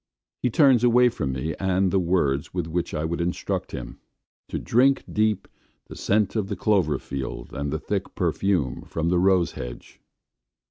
He turns away from me and the words with which I would instruct him, to drink deep the scent of the clover field and the thick perfume from the rose hedge.